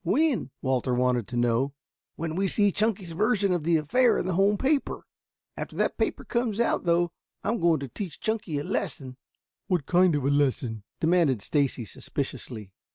"When?" Walter wanted to know. "When we see Chunky's version of the affair in the home paper. After that paper comes out, though, I am going to teach Chunky a lesson." "What kind of a lesson?" demanded Stacy suspiciously.